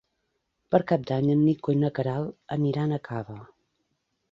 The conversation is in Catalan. Per Cap d'Any en Nico i na Queralt aniran a Cava.